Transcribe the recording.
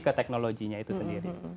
ke teknologinya itu sendiri